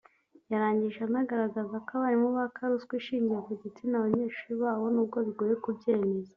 yarangije anagaragaza ko abarimu baka ruswa ishingiye ku gitsina abanyeshuri babo n’ubwo bigoye kubyemeza